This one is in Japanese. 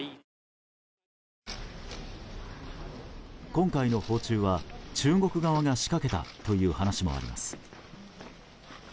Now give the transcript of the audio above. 今回の訪中は中国側が仕掛けたという話もあります。